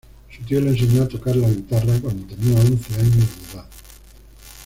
Su tío le enseñó a tocar la guitarra cuándo tenía once años de edad.